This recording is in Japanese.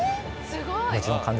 すごいな！